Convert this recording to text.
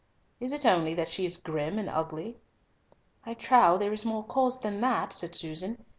Is it only that she is grim and ugly?" "I trow there is more cause than that," said Susan.